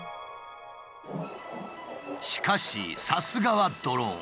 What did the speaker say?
しかしさすがはドローン。